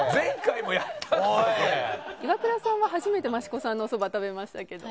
イワクラさんは初めて益子さんのおそば食べましたけど。